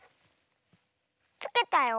つけたよ。